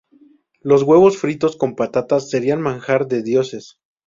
los huevos fritos con patatas serían manjar de dioses